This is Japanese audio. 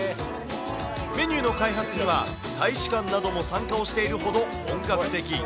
メニューの開発には、大使館なども参加をしているほど本格的。